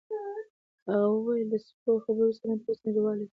هغه وویل د سپکو خوړو صنعت اوس نړیوال دی.